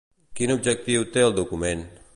Quin objectiu té el document?